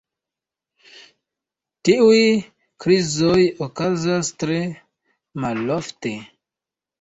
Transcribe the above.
Tiuj krizoj okazas tre malofte.